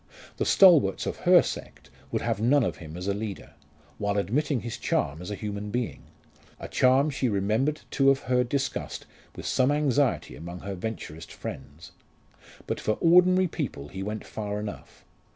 The "stalwarts" of her sect would have none of him as a leader, while admitting his charm as a human being a charm she remembered to have heard discussed with some anxiety among her Venturist friends. But for ordinary people he went far enough.